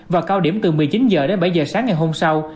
và cao điểm từ một mươi chín h đến bảy h sáng ngày hôm sau